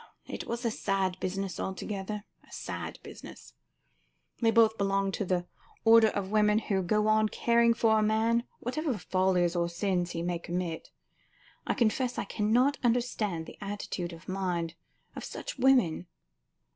Ah! it was a sad business altogether, a sad business. They both belonged to the order of women who go on caring for a man, whatever follies or sins he may commit. I confess I cannot understand the attitude of mind of such women."